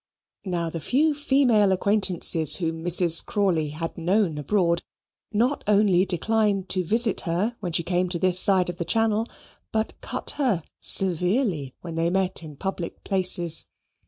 Now the few female acquaintances whom Mrs. Crawley had known abroad not only declined to visit her when she came to this side of the Channel, but cut her severely when they met in public places.